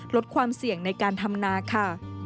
ลดความเสี่ยงในการทำนาค่ะ